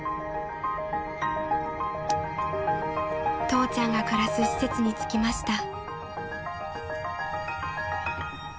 ［父ちゃんが暮らす施設に着きました］